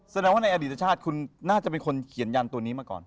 แสดงว่าในอดีตชาติคุณน่าจะเป็นคนเขียนยันตัวนี้มาก่อน